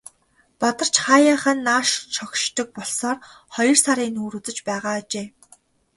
Бадарч хааяахан нааш шогшдог болсоор хоёр сарын нүүр үзэж байгаа ажээ.